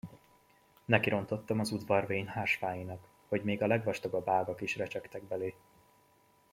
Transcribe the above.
Nekirontottam az udvar vén hársfáinak, hogy még a legvastagabb ágak is recsegtek belé.